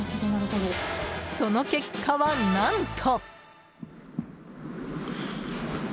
その結果は、何と。